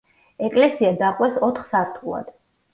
ეკლესია დაყვეს ოთხ სართულად.